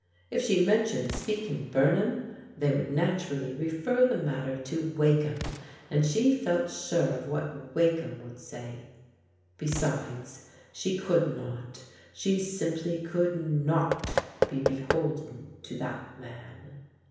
If she mentioned Speke and Bumham, they would naturally refer the matter to Wakeham, and she felt sure of what Wakeham would say. Besides, she could not, she simply could not be beholden to that man.